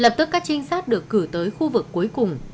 lập tức các trinh sát được cử tới khu vực cuối cùng